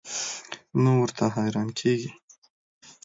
نو ورته حېران کيږي